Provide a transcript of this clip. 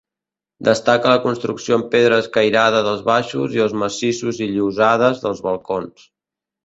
Destaca la construcció amb pedra escairada dels baixos i els massissos i llosanes dels balcons.